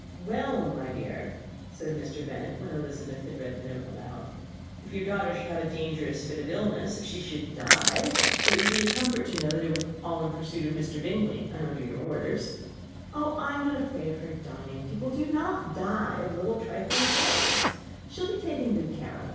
"Well, my dear," said Mr. Bennet, when Elizabeth had read the note aloud, "if your daughter should have a dangerous fit of illness if she should die it would be a comfort to know that it was all in pursuit of Mr. Bingley, and under your orders." "Oh, I am not at all afraid of her dying. People do not die of little trifling colds. She will be taken good care of.